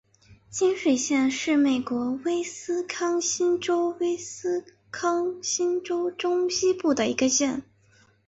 清水县是美国威斯康辛州威斯康辛州中西部的一个县。